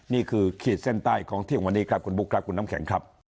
ขีดเส้นใต้ของเที่ยงวันนี้ครับคุณบุ๊คครับคุณน้ำแข็งครับ